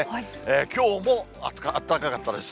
きょうもあったかかったです。